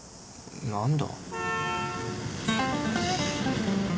何だ？